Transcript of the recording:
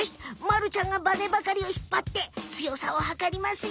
まるちゃんがバネばかりをひっぱってつよさをはかりますよ！